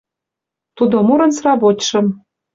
Тудо мурын сравочшым